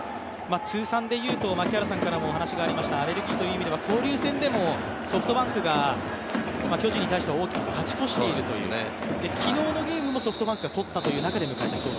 通算でいうと、アレルギーという意味では、交流戦でもソフトバンクが巨人に対しては大きく勝ち越しているという、昨日のゲームもソフトバンクがとったという中で迎えた。